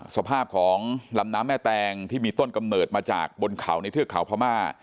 สภาพของลำน้ำแม่แตงที่มีต้นกำเนิดมาจากบนเขาในเทือกเขาพม่า